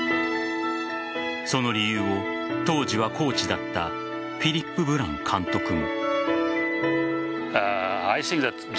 その理由を、当時はコーチだったフィリップ・ブラン監督も。